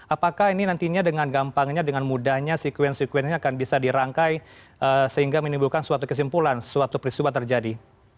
apakah ini nantinya dengan gampangnya dengan mudahnya sekuen sekuen ini akan bisa dirangkai sehingga menimbulkan suatu kesimpulan suatu peristiwa terjadi